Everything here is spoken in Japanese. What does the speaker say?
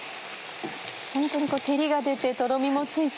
本当にこう照りが出てとろみもついて。